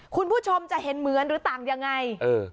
คุณผู้ชมจะเห็นเหมือนหรือต่างยังไงเออ